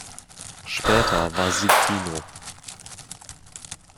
Später war sie Kino.